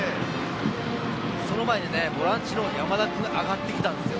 その前にボランチの山田君が上がってきたんですよ。